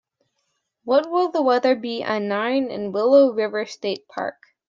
What will the weather be a nine in Willow River State Park?